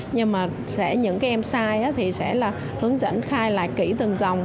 nhưng mà những em sai thì sẽ là hướng dẫn khai lại kỹ từng dòng